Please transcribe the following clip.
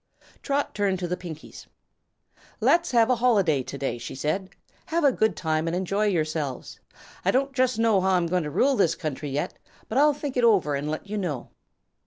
Trot turned to the Pinkies. "Let's have a holiday to day," she said. "Have a good time and enjoy yourselves. I don't jus' know how I'm goin' to rule this country, yet, but I'll think it over an' let you know."